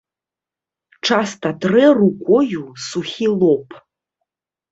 Часта трэ рукою сухі лоб.